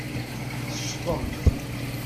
Teccḍemt.